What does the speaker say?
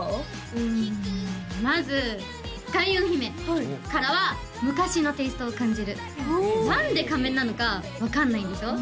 うんまず開運姫からは昔のテイストを感じる何で仮面なのか分かんないんでしょ？